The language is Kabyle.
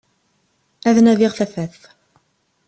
Ad nadiγ tafat.